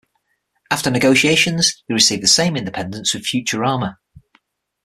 '" After negotiations, he received the same independence with "Futurama".